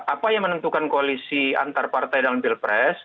apa yang menentukan koalisi antar partai dalam pilpres